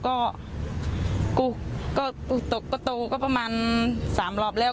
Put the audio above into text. ก็ตกตัวประมาณ๓รอบแล้ว